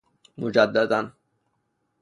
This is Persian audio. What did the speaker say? مجدداً